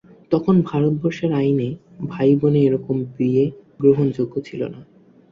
তখন ভারতবর্ষের আইনে ভাই-বোনে এরকম বিয়ে গ্রহণযোগ্য ছিল না।